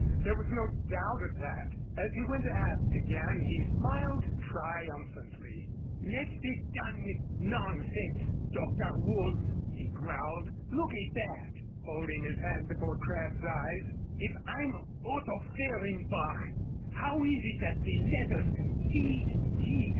There was no doubt of that. As he went aft again he smiled triumphantly. "Let's be done with nonsense, Dr. Woolf," he growled. "Look at that," holding his hand before Crabb's eyes. "If I'm Otto Fehrenbach how is it that the letters C. G.